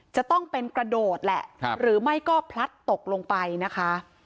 จะต้องเป็นกระโดดแหละหรือไม่ก็พลัดตกลงไปนะคะ